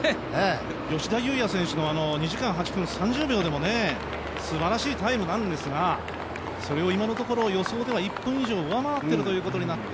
吉田祐也選手の２時間８分３０秒でもすばらしいタイムなんですが、それを今のところ予想では１分以上、上回っているということになって。